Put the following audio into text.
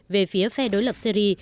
về phía phe đối lập syri